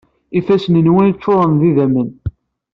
Ifassen-nwen ččuṛen d idammen.